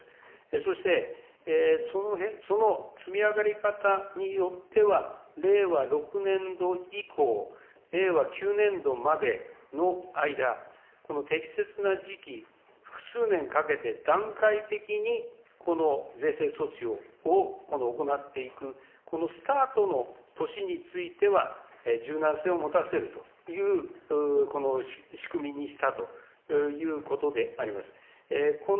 そして、その積み上がり方によっては、令和６年度以降、令和９年度までの間、この適切な時期、複数年かけて段階的にこの税制措置を行っていく、このスタートの年については、柔軟性を持たせるという、この仕組みにしたということであります。